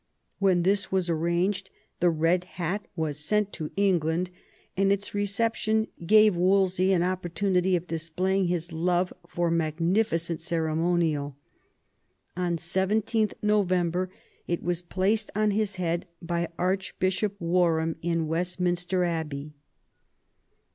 When this was arranged the red hat was sent to England, and its re ception gave Wolsey an opportunity of displaying his love for magnificent ceremonial. On 17th November it was placed on his head by Archbishop Warham in Westminster Abbey.